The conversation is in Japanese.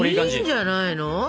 いいんじゃないの？